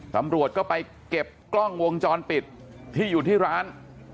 ตำรวจก็ไปเก็บกล้องวงจรปิดที่อยู่ที่ร้าน